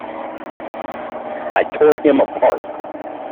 I tore him apart!